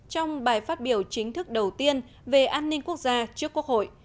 trong bài phát biểu chính thức đầu tiên về an ninh quốc gia trước quốc hội